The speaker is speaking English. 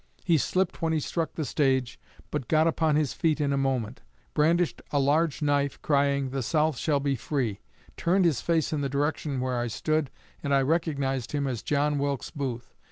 He slipped when he struck the stage, but got upon his feet in a moment, brandished a large knife, crying, 'The South shall be free,' turned his face in the direction where I stood, and I recognized him as John Wilkes Booth.